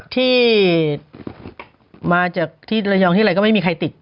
ที่มาจากที่ระยองที่อะไรก็ไม่มีใครติด